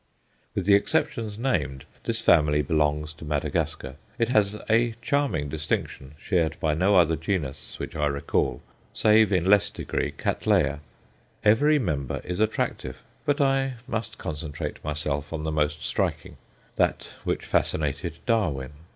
With the exceptions named, this family belongs to Madagascar. It has a charming distinction, shared by no other genus which I recall, save, in less degree, Cattleya every member is attractive. But I must concentrate myself on the most striking that which fascinated Darwin.